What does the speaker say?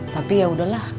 tapi ya udahlah